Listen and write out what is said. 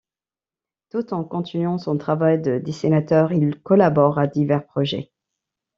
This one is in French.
Tout en continuant son travail de dessinateur, il collabore à divers projets.